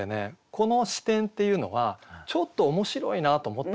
この視点っていうのはちょっと面白いなと思ったんですよ。